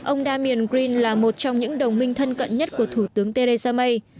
ông damien grin là một trong những đồng minh thân cận nhất của thủ tướng theresa may